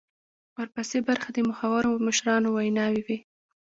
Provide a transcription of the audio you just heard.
ورپسې برخه د مخورو مشرانو ویناوي وې.